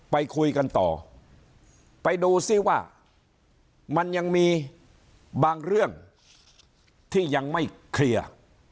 ไปคุยกันต่อไปดูซิว่ามันยังมีบางเรื่องที่ยังไม่เคลียร์